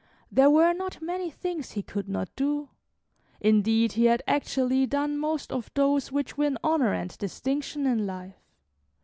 There were not many things he could not do; indeed, he had actually done most of those which win honor and distinction in life.